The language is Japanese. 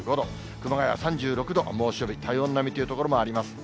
熊谷３６度、猛暑日、体温並みという所もあります。